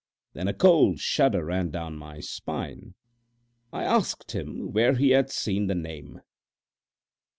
Then a cold shudder ran down my spine. I asked him where he had seen the name.